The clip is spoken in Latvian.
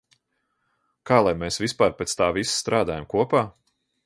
Kā lai mēs vispār pēc tā visa strādājam kopā?